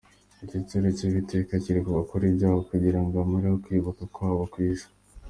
Igitsure cy’Uwiteka kiri ku bakora ibyaha, Kugira ngo amareho kwibukwa kwabo mu isi.